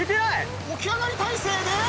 起き上がり体勢で。